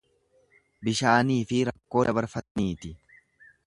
Bishaaniifi rakkoo dabarfataniiti.